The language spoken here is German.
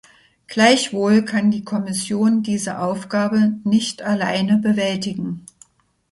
Gleichwohl kann die Kommission diese Aufgabe nicht alleine bewältigen.